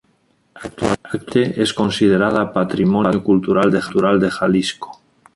Actualmente es considerada patrimonio cultural de Jalisco.